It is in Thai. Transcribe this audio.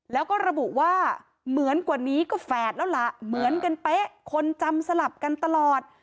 แล้วก็ระบุว่าเหมือนกว่านี้ก็แฝดแล้วล่ะเหมือนกันเป๊ะคนจำสลับกันตลอด